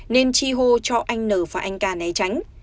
nên chi hô cho anh n và anh ca né tránh